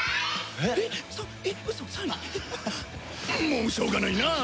もうしょうがないなあ！